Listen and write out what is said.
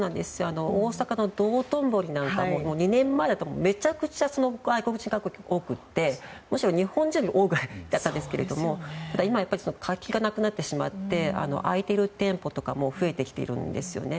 大阪の道頓堀なんかは２年前はめちゃくちゃ外国人が多くてむしろ日本人より多いぐらいだったんですけどただ、今は活気がなくなってしまって空いている店舗とかも増えてきているんですね。